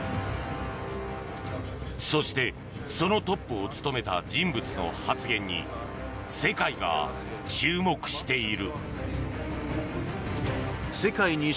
そしてそのトップを務めた人物の発言に世界が注目している。